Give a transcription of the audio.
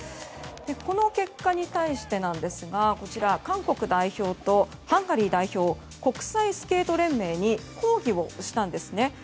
この結果に対して韓国代表とハンガリー代表国際スケート連盟に抗議をしたんです。